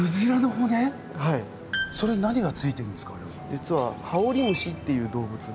実はハオリムシっていう動物で。